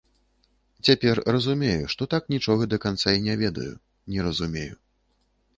Цяпер разумею, што так нічога да канца і не ведаю, не разумею.